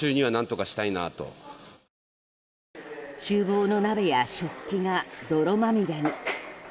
厨房の鍋や食器が泥まみれに。